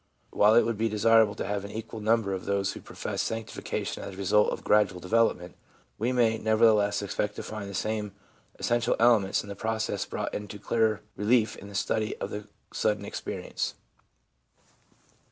While it would be desirable to have an equal number of those who profess sanctification as the result of gradual development, we may, nevertheless, expect to find the same essential elements in the process brought into dearer relief in the study of the sudden experience.